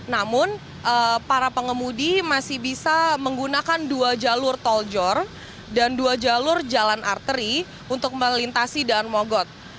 namun para pengemudi masih bisa menggunakan dua jalur tol jor dan dua jalur jalan arteri untuk melintasi daun mogot